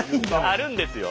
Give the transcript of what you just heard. あるんですよ。